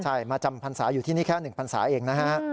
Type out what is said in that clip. ใช่มาจำพรรษาอยู่ที่นี่แค่๑พันศาเองนะฮะ